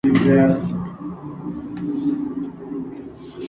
Durante el día duerme bajo el denso follaje sujeto de una rama.